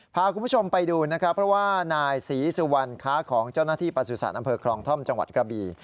พาคุณผู้ชมไปดูนะครับเพราะว่านายศรีสุวรรณค้าของเจ้าหน้าที่ประสุทธิ์อำเภอคลองท่อมจังหวัดกระบี